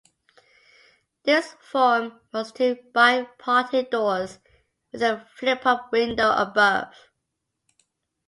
This form was two bi-parting doors with a flip-up window above.